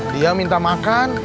dia minta makan